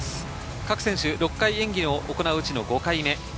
各選手、６回演技を行ううちの５回目。